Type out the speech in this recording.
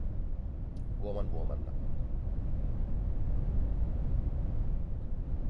Woman, Woman!